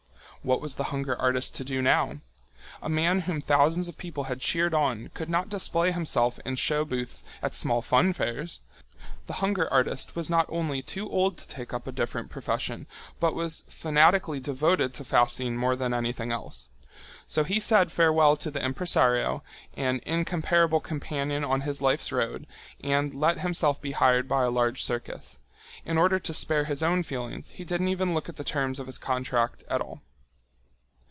What was the hunger artist to do now? A man whom thousands of people had cheered on could not display himself in show booths at small fun fairs. The hunger artist was not only too old to take up a different profession, but was fanatically devoted to fasting more than anything else. So he said farewell to the impresario, an incomparable companion on his life's road, and let himself be hired by a large circus. In order to spare his own feelings, he didn't even look at the terms of his contract at all.